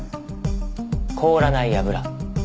凍らない油。